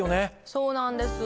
そうなんです。